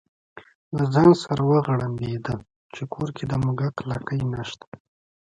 له ځانه سره وغړمبېده چې کور کې د موږک لکۍ نشته.